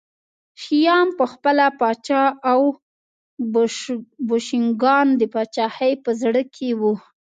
شیام پخپله پاچا و او بوشنګان د پاچاهۍ په زړه کې وو